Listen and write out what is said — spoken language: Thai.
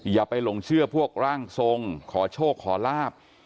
อย่าไปหลงเชื่อพวกร่างทรงขอโชคขอลาบ